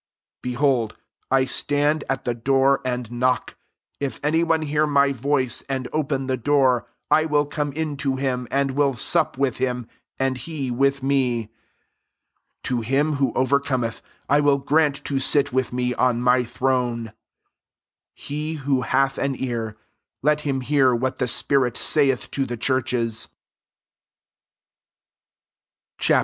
9,0 Behold, 1 stand at the door and knock : if any one hear my voice, and open the door, I will come in to him, and will sup with him, and he with me. 21 To him who over con^th I will grant to sit with me on my throne.' 22 He who hath an ear, let him hear what the spirit saith to the churches." Ch. IV.